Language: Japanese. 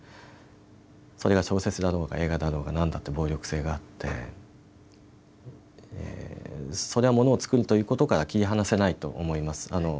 それが小説だろうが映画だろうが何だって暴力性があってそれは、ものを作るということから切り離せないと思います。